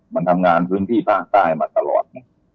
มันทำงานบริษัทธิ์มาตลอด